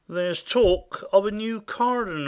There's talk of a new cardinal.